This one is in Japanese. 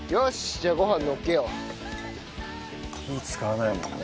じゃあご飯のっけよう。火使わないもんね。